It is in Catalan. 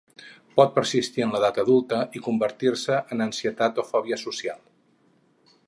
Pot persistir en l'edat adulta i convertir-se en ansietat o fòbia socials.